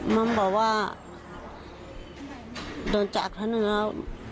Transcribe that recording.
มันบอกว่าโดนจากครั้งหนึ่งแล้ว